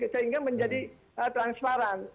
sehingga menjadi transparan